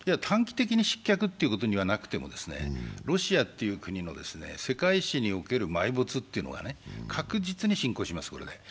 短期的に失脚ということにはなくてロシアという国の、世界史における埋没というのが確実に進行します、これで。